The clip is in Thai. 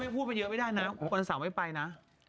พูดไปเยอะไม่ได้นะวันเสาร์ไม่ไปนะ